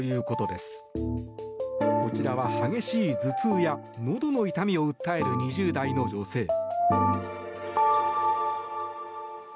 こちらは、激しい頭痛やのどの痛みを訴える２０代の女性。